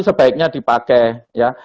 sebaiknya dipakai ya